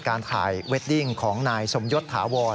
การถ่ายเวดดิ้งของนายสมยศถาวร